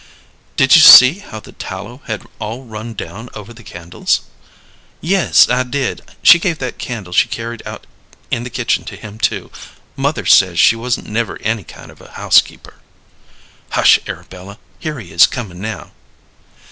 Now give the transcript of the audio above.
"Did you see how the tallow had all run down over the candles?" "Yes, I did. She gave that candle she carried out in the kitchen to him, too. Mother says she wasn't never any kind of a housekeeper." "Hush! Arabella: here he is coming now."